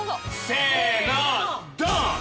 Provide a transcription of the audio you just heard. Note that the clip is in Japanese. せのドン！